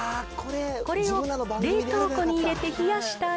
これを冷凍庫に入れて冷やしたら。